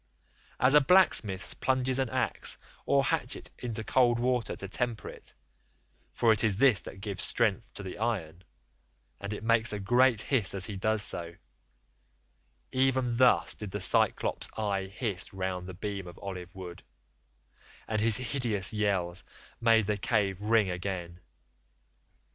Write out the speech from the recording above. As a blacksmith plunges an axe or hatchet into cold water to temper it—for it is this that gives strength to the iron—and it makes a great hiss as he does so, even thus did the Cyclops' eye hiss round the beam of olive wood, and his hideous yells made the cave ring again.